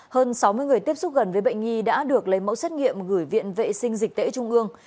hơn sáu mươi người tiếp xúc gần với bệnh nhi đã được lấy mẫu xét nghiệm gửi viện vệ sinh dịch tễ trung ương